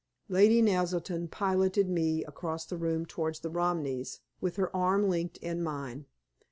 Lady Naselton piloted me across the room towards the Romneys, with her arm linked in mine.